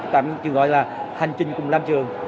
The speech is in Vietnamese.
trường gọi là hành trình cùng lam trường